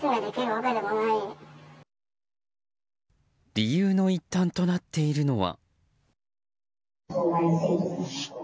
理由の一端となっているのは。